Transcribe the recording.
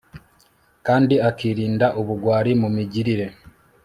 kandi akirinda ubugwari mu migirire